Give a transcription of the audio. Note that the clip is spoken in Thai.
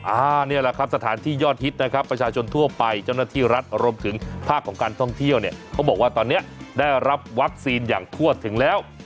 อันนี้แหละครับสถานที่ยอดฮิตนะครับประชาชนทั่วไปเจ้าหน้าที่รัฐรวมถึงภาคของการท่องเที่ยวเนี่ยเขาบอกว่าตอนนี้ได้รับวัคซีนอย่างทั่วถึงแล้ว